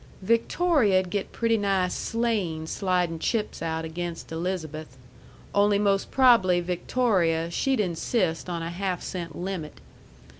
"Victoria'd get pretty nigh slain sliding chips out agaynst Elizabeth. Only mos' prob'ly Victoria she'd insist on a half cent limit.